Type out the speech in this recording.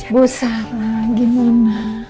bu sarah gimana